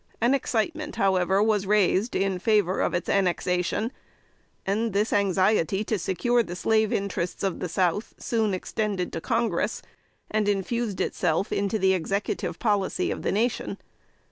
An excitement, however, was raised in favor of its annexation; and this anxiety to secure the slave interests of the South, soon extended to Congress, and infused itself into the Executive policy of the nation.